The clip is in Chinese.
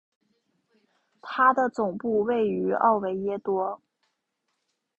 它的总部位于奥维耶多。